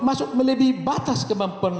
masuk melebihi batas kemampuan